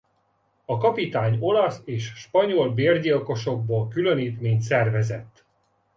A kapitány olasz és spanyol bérgyilkosokból különítményt szervezett.